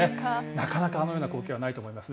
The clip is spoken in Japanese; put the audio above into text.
なかなかあのような光景はないと思いますね。